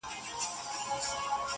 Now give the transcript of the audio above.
ه مړ يې که ژونديه ستا، ستا خبر نه راځي.